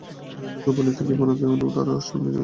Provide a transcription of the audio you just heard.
লোকে বলিত, কৃপণতায় অনু তার স্বামীর সহধর্মিণী।